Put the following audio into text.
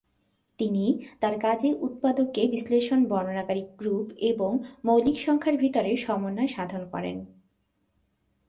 তিনি তার কাজে উৎপাদকে বিশ্লেষণ বর্ণনাকারী গ্রুপ এবং মৌলিক সংখ্যার ভেতর সমন্বয় সাধন করেন।